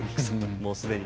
もうすでに。